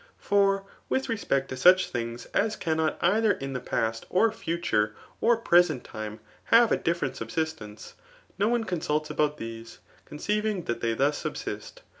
Eor with w^MCt .to. sEuch thhigs as cannot ebiier inithe past, qr future^ or present time» ha?e a <U£. fierent subsistence, no one consults about these, condeiT * ing that they thus subsist.